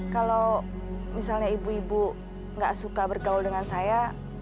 kalau misalnya ibu ibu gak suka bergaul dengan saya